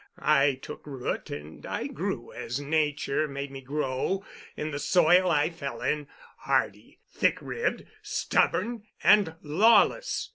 I took root and I grew as Nature made me grow, in the soil I fell in, hardy, thick ribbed, stubborn, and lawless.